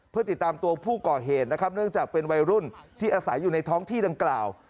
เพื่อติดตามตัวผู้ก่อเหตุนะครับเนื่องจากเป็นวัยรุ่นที่อาศัยอยู่ในท้องที่ดังกล่าว